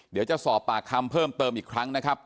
เดี๋ยวจะสอบปากคำเพิ่มเติมอีกครั้งนะครับ